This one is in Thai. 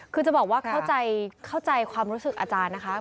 คือจะบอกว่าเข้าใจความรู้สึกอาจารย์นะคะ